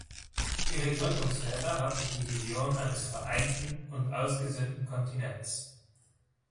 Ihre Gründerväter hatten die Vision eines vereinten und ausgesöhnten Kontinents.